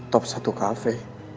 top satu kafe